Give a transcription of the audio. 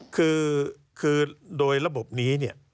คือโดยระบบนี้